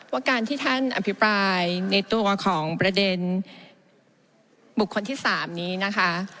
ว่าการที่ท่านอภิปรายในตัวของประเด็นบุคคลที่๓นี้นะคะ